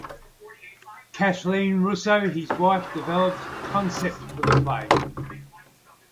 Kathleen Russo, his widow, developed the concept for the play.